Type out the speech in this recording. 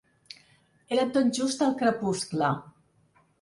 Era tot just el crepuscle.